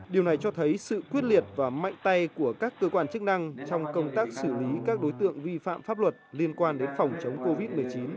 điều này cho thấy sự quyết liệt và mạnh tay của các cơ quan chức năng trong công tác xử lý các đối tượng vi phạm pháp luật liên quan đến phòng chống covid một mươi chín